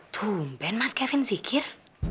tumpen mas kevin zikir